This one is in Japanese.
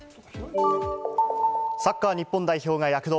サッカー日本代表が躍動。